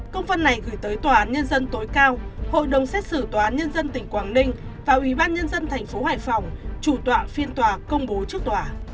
công văn này gửi tới tòa án nhân dân tối cao hội đồng xét xử tòa án nhân dân tỉnh quảng ninh và ủy ban nhân dân tp hải phòng chủ tọa phiên tòa công bố trước tòa